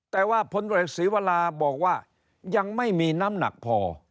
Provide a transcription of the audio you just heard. แต่ว่าผลตรวจศรีวราบอกว่ายังไม่มีน้ำหนักพอ